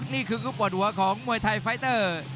นี่คือคู่ปวดหัวของมวยไทยไฟเตอร์